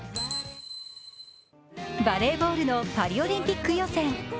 バレーボールのパリオリンピック予選。